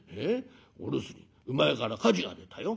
お留守に厩から火事が出たよ。